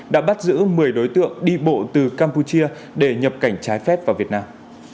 đã bắt giữ một mươi đối tượng đi bộ từ campuchia để nhập cảnh trái phép vào việt nam